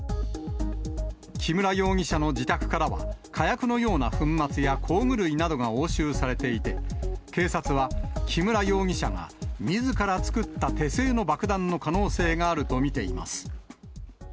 木村容疑者の自宅からは、火薬のような粉末や工具類などが押収されていて、警察は木村容疑者がみずから作った手製の爆弾の可能性があると見ています。